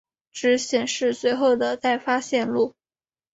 只显示随后的待发线路。